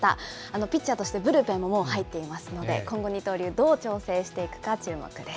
ピッチャーとしてブルペンも入っていますので、今後、二刀流、どう調整していくか注目です。